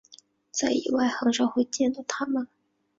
在野外很少会见到它们。